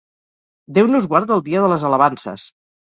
Déu nos guard del dia de les alabances.